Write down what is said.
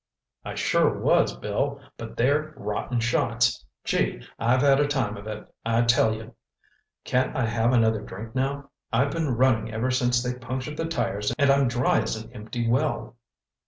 "I sure was, Bill, but they're rotten shots. Gee, I've had a time of it, I tell you. Can't I have another drink now? I've been running ever since they punctured the tires and I'm dry as an empty well."